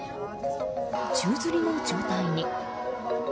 宙づりの状態に。